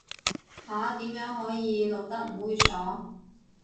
下，點樣可以露得唔猥褻